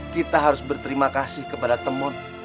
kita harus berterima kasih kepada teman